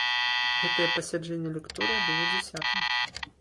Гэтае пасяджэнне лекторыя было дзясятым.